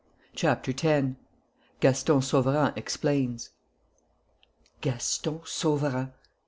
CHAPTER TEN GASTON SAUVERAND EXPLAINS Gaston Sauverand!